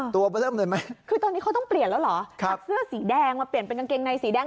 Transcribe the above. ตัวเริ่มเลยไหมคือตอนนี้เขาต้องเปลี่ยนแล้วเหรอจากเสื้อสีแดงมาเปลี่ยนเป็นกางเกงในสีแดง